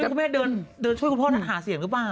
คุณแม่เดินช่วยคุณพ่อนั้นหาเสียงหรือเปล่า